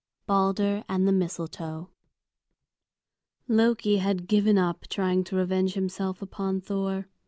BALDER AND THE MISTLETOE Loki had given up trying to revenge himself upon Thor.